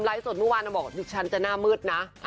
ไลค์สดเมื่อวานบอกว่าฉันจะหน้ามืดนะ